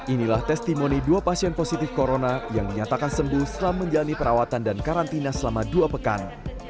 inilah testimoni dua pasien positif corona yang dinyatakan sembuh setelah menjalani perawatan dan karantina selama dua pekan